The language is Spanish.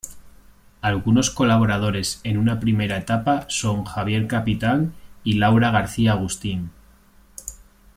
Algunos colaboradores en una primera etapa son Javier Capitán y Laura García Agustín.